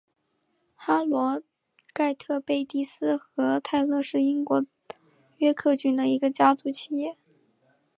哈罗盖特贝蒂斯和泰勒是英国约克郡的一个家族企业。